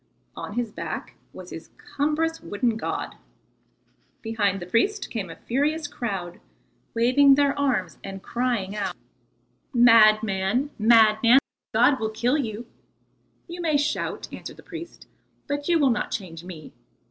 On his back was his cumbrous wooden god. Behind the priest came a furious crowd, waving their arms and crying out: "Madman, madman, the god will kill you." "You may shout," answered the priest, "but you will not change me.